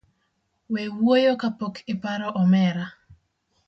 We wuoyo kapok iparo omera.